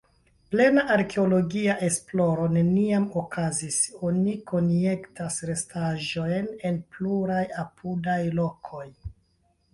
Plena arkeologia esploro neniam okazis, oni konjektas restaĵojn en pluraj apudaj lokoj.